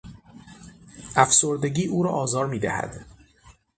افسردگی او را آزار میدهد.